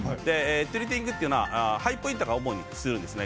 ティルティングというのはハイポインターが主にするんですね。